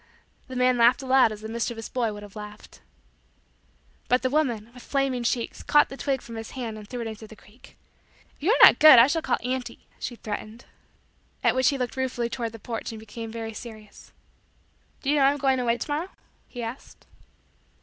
The man laughed aloud as the mischievous boy would have laughed. But the woman, with flaming cheeks, caught the twig from his hand and threw it into the creek. "If you are not good, I shall call auntie," she threatened. At which he looked ruefully toward the porch and became very serious. "Do you know that I am going away to morrow?" he asked.